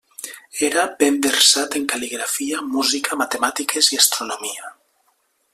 Era ben versat en cal·ligrafia, música, matemàtiques i astronomia.